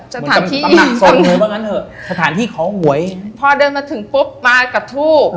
สถานที่สถานที่เขาหวยพอเดินมาถึงปุ๊บมากระทูบ